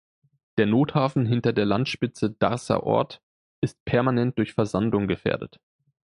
Der Nothafen hinter der Landspitze Darßer Ort ist permanent durch Versandung gefährdet.